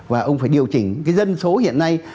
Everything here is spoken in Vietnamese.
và ông phải điều chỉnh cái dân số hiện nay